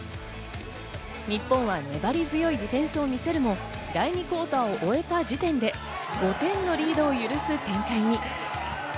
日本は粘り強いディフェンスを見せるも第２クオーターを終えた時点で５点のリードを許す展開に。